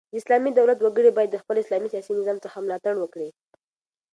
د اسلامي دولت وګړي بايد د خپل اسلامي سیاسي نظام څخه ملاتړ وکړي.